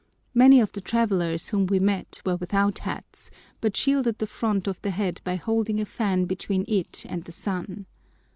Many of the travellers whom we met were without hats, but shielded the front of the head by holding a fan between it and the sun.